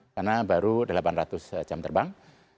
karena baru delapan ratus jam terbang